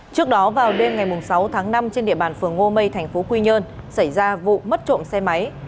trước đó vào đêm ngày sáu tháng năm trên địa bàn phường ngô mây thành phố quy nhơn xảy ra vụ mất trộm xe máy